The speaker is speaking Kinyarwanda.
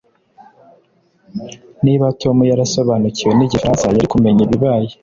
Niba Tom yarasobanukiwe nigifaransa yari kumenya ibibaye